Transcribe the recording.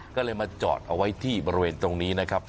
ก็เลยมาจอดเอาไว้ที่บริเวณตรงนี้นะครับ